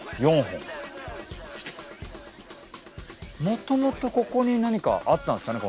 もともとここに何かあったんですかね？